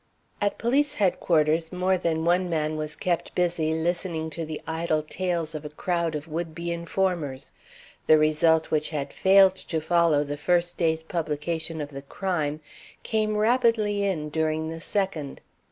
At Police Headquarters more than one man was kept busy listening to the idle tales of a crowd of would be informers. The results which had failed to follow the first day's publication of the crime came rapidly in during the second.